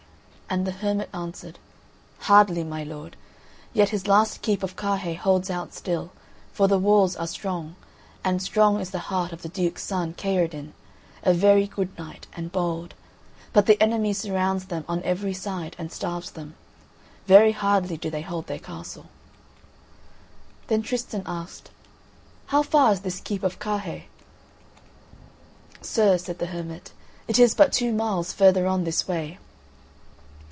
And the hermit answered: "Hardly, my lord; yet his last keep of Carhaix holds out still, for the walls are strong, and strong is the heart of the Duke's son Kaherdin, a very good knight and bold; but the enemy surrounds them on every side and starves them. Very hardly do they hold their castle." Then Tristan asked: "How far is this keep of Carhaix?" "Sir," said the hermit, "it is but two miles further on this way."